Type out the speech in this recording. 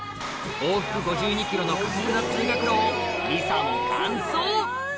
往復５２ｋｍの過酷な通学路をりさも完走！